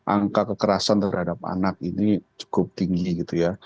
angka kekerasan terhadap anak ini cukup tinggi gitu ya